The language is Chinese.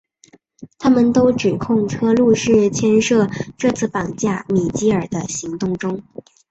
他们都指控车路士牵涉这次绑架米基尔的行动中。